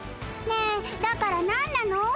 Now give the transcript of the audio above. ねえだからなんなの？